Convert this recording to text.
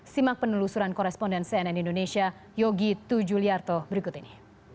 simak penelusuran koresponden cnn indonesia yogi tujuliarto berikut ini